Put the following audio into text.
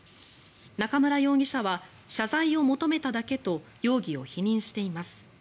中村容疑者は謝罪を求めただけと容疑を否認しています。